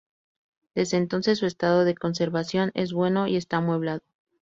Desde entonces su estado de conservación es bueno y está amueblado.